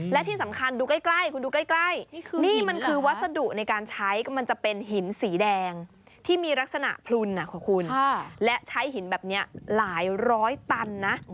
และที่สำคัญดูใกล้คุณดูใกล้นี่มันคือวัสดุในการใช้มันจะเป็นหินสีแดงที่มีลักษณะพลุนของคุณและใช้หินแบบนี้หลายร้อยตันนะ